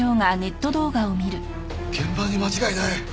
現場に間違いない。